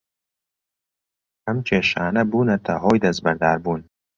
ئەم کێشانە بوونەتە هۆی دەستبەرداربوون